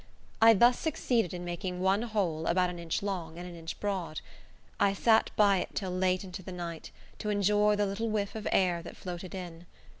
I thus succeeded in making one hole about an inch long and an inch broad. I sat by it till late into the night, to enjoy the little whiff of air that floated in.